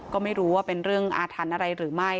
ก็ไม่รู้ว่าเป็นเรื่องอาถรรพ์อะไรหรือไม่